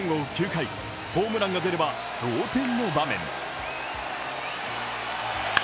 ９回、ホームランが出れば同点の場面。